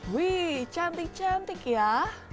wih cantik cantik ya